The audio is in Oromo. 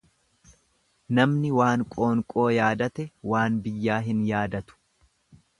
Namni waan qoonqoo yaadate waan biyyaa hin yaadatu.